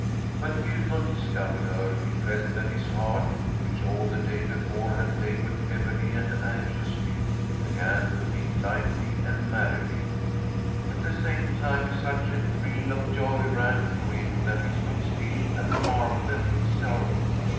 When Gudmund discovered her, he felt that his heart, which all the day before had labored heavily and anxiously, began to beat lightly and merrily; at the same time such a thrill of joy ran through him that he stood still and marvelled at himself.